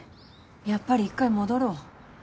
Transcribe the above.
やっぱり一回戻ろう。